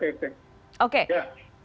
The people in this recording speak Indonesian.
terima kasih pak